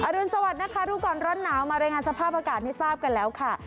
รุนสวัสดิ์นะคะรู้ก่อนร้อนหนาวมารายงานสภาพอากาศให้ทราบกันแล้วค่ะ